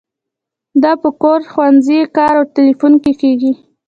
دا په کور، ښوونځي، کار او تیلیفون کې کیږي.